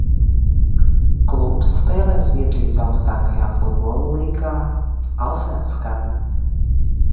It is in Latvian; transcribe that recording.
"Klubs spēlē Zviedrijas augstākajā futbola līgā "Allsvenskan"."